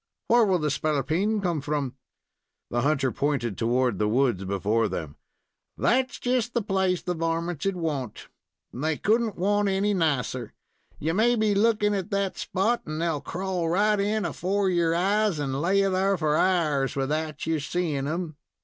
"Where will the spalpeen come from?" The hunter pointed toward the woods before them. "That's just the place the varmints would want they could n't want any nicer. You may be lookin' at that spot, and they'll crawl right in afore you'r eyes, and lay thar for hours without your seein' 'em.